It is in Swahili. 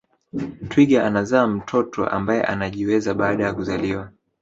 Twiga anazaa mtoto ambaye anajiweza baada ya kuzaliwa